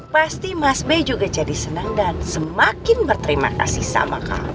pasti mas bey juga jadi senang dan semakin berterima kasih sama kamu